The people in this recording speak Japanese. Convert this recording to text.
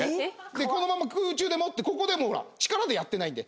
このまんま空中で持ってここでもうほら力でやってないんで。